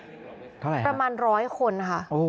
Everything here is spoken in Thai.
เท่าไหร่ครับโอ้โฮประมาณ๑๐๐คนค่ะ